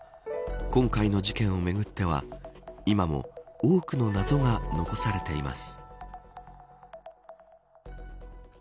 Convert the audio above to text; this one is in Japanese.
今回の事件をめぐっては、今も多くの謎が残されています。